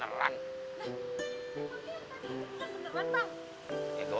tapi yang tadi bukan beneran bang